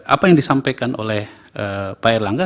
apa yang disampaikan oleh pak erlangga